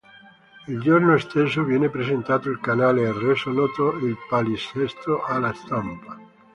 Il giorno stesso viene presentato il canale e reso noto il palinsesto alla stampa.